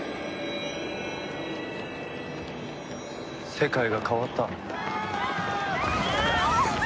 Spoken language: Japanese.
世界が変わった。